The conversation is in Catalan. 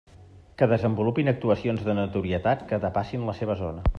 Que desenvolupin actuacions de notorietat que depassin la seva zona.